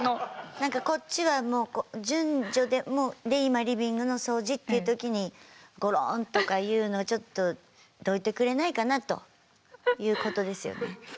何かこっちはもう順序で今リビングの掃除っていう時にゴロンとかいうのちょっとそういうことですね。